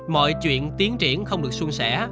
mọi chuyện tiến triển không được xuân xẻ